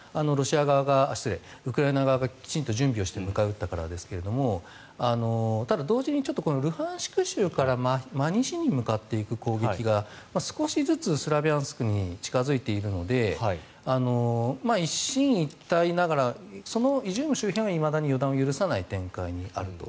それはウクライナ側がきちんと準備をして迎え撃ったからですがただ、同時にルハンシク州から真西に向かっていく攻撃が少しずつスラビャンスクに近付いているので一進一退ながらそのイジューム周辺はいまだに予断を許さない展開にあると。